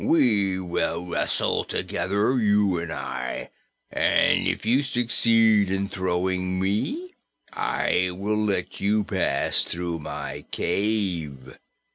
We will wrestle together, you and I, and if you succeed in throwing me I will let you pass through my cave."